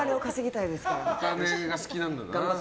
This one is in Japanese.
お金が好きなんだよな。